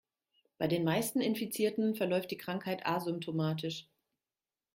Bei den meisten Infizierten verläuft die Krankheit asymptomatisch.